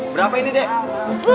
berapa ini dek